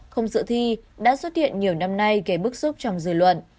không dự thi đã xuất hiện nhiều năm nay kể bức xúc trong dự luận